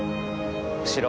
後ろ。